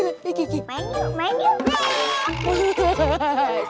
main yuk main yuk